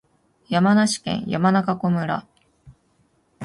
山梨県山中湖村